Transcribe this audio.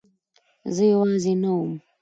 زه یوازې نه وم.